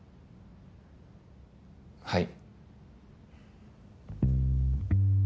はい。